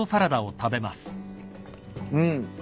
うん。